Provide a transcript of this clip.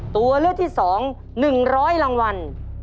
ตัวเลือกที่๒๑๐๐รางวัล